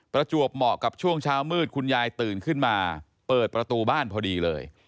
ประจวบเหมาะกับช่วงเช้ามืดคุณยายตื่นขึ้นมาเปิดประตูบ้านพอดีเลย